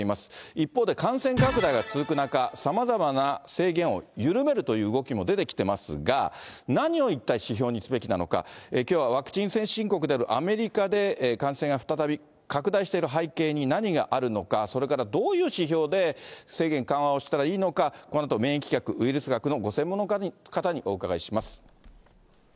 一方で感染拡大が続く中、さまざまな制限を緩めるという動きも出てきてますが、何を一体指標にすべきなのか、きょうはワクチン先進国であるアメリカで感染が再び拡大している背景に何があるのか、それからどういう指標で制限緩和をしたらいいのか、このあと免疫学、ウイルス学のご専門の方にお伺いします。